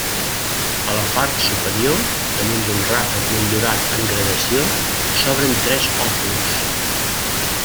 A la part superior, damunt d'un ràfec motllurat en gradació, s'obren tres òculs.